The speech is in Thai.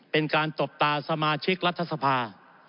เป็นการตบตาสมาชิกรัฐสภา